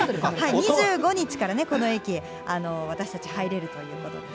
２５日からこの駅、私たち、入れるということです。